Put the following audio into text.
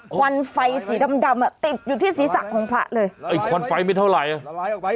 ควันไฟสีดำดำอ่ะติดอยู่ที่ศีรษะของพระเลยไอ้ควันไฟไม่เท่าไหร่อ่ะ